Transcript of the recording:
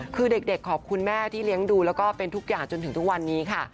คือเด็กขอบคุณแม่ที่เลี้ยงดูแล้วก็เป็นทุกอย่างจนถึงทุกวันนี้ค่ะ